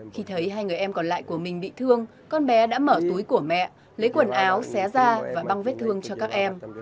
khi thấy hai người em còn lại của mình bị thương con bé đã mở túi của mẹ lấy quần áo xé ra và băng vết thương cho các em